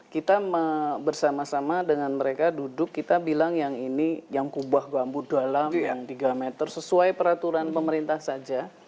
kita bersama sama dengan mereka duduk kita bilang yang ini yang kubah gambut dalam yang tiga meter sesuai peraturan pemerintah saja